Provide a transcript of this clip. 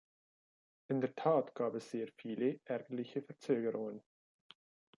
In der Tat gab es sehr viele ärgerliche Verzögerungen.